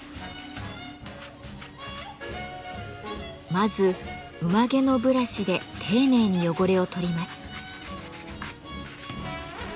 まず馬毛のブラシで丁寧に汚れを取ります。